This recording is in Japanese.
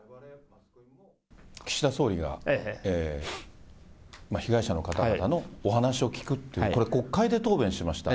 岸田総理が被害者の方々のお話を聞くという、これ国会で答弁しました。